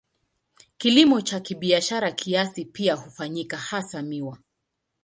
Kilimo cha kibiashara kiasi pia hufanyika, hasa miwa.